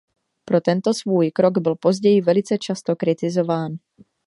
Pro tento svůj krok byl později velice často kritizován.